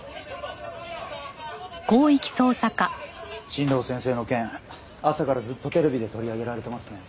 新道先生の件朝からずっとテレビで取り上げられてますね。